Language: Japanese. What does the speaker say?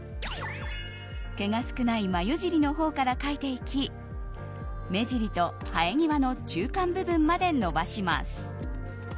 毛が少ない眉尻のほうから描いていき目尻と生え際の中間部分まで伸ばします。